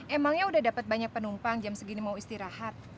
emangnya udah dapat banyak penumpang jam segini mau istirahat